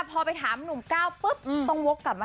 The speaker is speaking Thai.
พอที้ไปไปถามหนุ่มก้าวต้องพ